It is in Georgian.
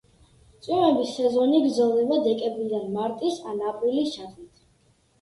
წვიმების სეზონი გრძელდება დეკემბრიდან მარტის ან აპრილის ჩათვლით.